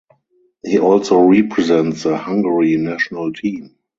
He also represents the Hungary national team.